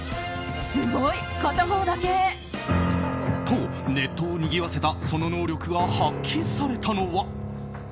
と、ネットをにぎわせたその能力が発揮されたのは。